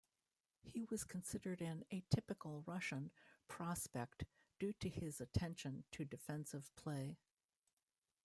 He was considered an atypical Russian prospect due to his attention to defensive play.